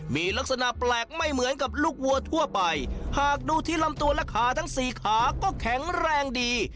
มีลักษณะแปลกไม่เหมือนกับลูกวัวทั่วไปหากดูที่ลำตัวและขาทั้งสี่ขาก็แข็งแรงดี